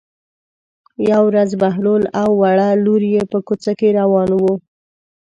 یوه ورځ بهلول او وړه لور یې په کوڅه کې روان وو.